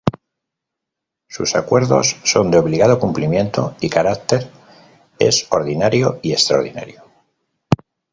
Sus acuerdos son de obligado cumplimiento, y carácter es ordinario y extraordinario.